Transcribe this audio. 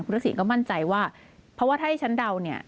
คุณทักษิณก็มั่นใจว่าเพราะว่าถ้าให้ฉันเดาเนี่ย